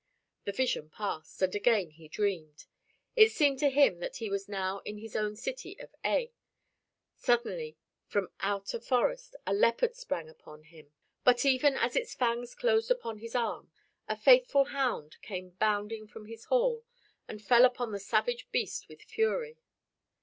The vision passed, and again he dreamed. It seemed to him that he was now in his own city of Aix. Suddenly from out a forest a leopard sprang upon him. But even as its fangs closed upon his arm, a faithful hound came bounding from his hall and fell upon the savage beast with fury.